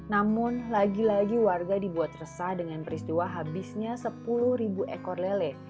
namun lagi lagi warga dibuat resah dengan peristiwa habisnya sepuluh ribu ekor lele